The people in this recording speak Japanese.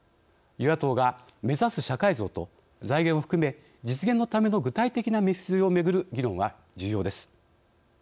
与野党が目指す社会像と財源を含め実現のための具体的な道筋をめぐる議論は重要です。